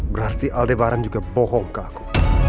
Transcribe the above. berarti aldebaran juga bohong ke aku